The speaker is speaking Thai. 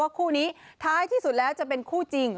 คู่นี้ท้ายที่สุดแล้วจะเป็นคู่จริง